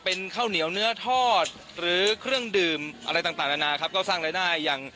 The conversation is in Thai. ก็เป็นอีกหนึ่งเสียงนะครับที่แม้แต่ว่า